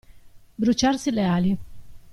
Bruciarsi le ali.